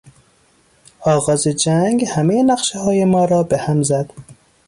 آغاز جنگ همهی نقشههای ما را به هم زد.